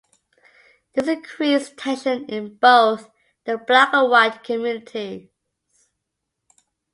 This increased tension in both the Black and White communities.